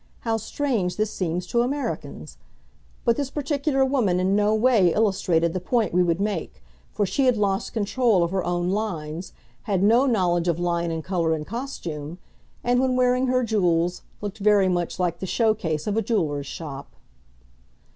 How strange this seems to Americans! But this particular woman in no way illustrated the point we would make, for she had lost control of her own lines, had no knowledge of line and colour in costume, and when wearing her jewels, looked very much like the show case of a jeweller's shop.